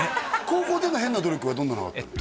高校での変な努力はどんなのがあったの？